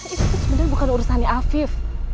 itu sebenarnya bukan urusannya afif